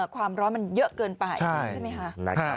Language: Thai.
ความร้อนมันเยอะเกินไปใช่ไหมคะ